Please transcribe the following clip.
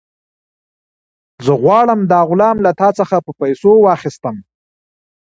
زه غواړم دا غلام له تا څخه په پیسو واخیستم.